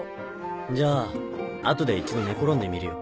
じゃあ後で一度寝転んでみるよ。